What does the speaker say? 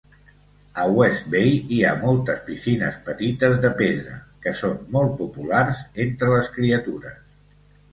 A West Bay hi ha moltes piscines petites de pedra, que són molt populars entre les criatures.